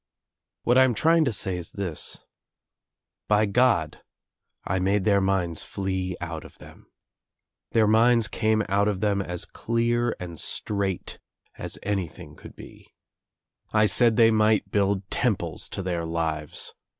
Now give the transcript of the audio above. What I am trying to say is this — By God I made their minds flee out of them. Their minds came out of them as clear and straight as anything could be. I said they might build temples to their lives.